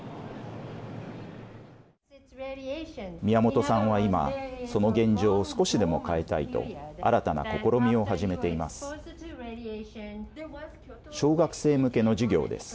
宮本さんは今その現状を少しでも変えたいと新たな試みを始めています。